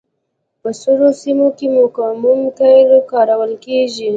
په سړو سیمو کې مقاوم قیر کارول کیږي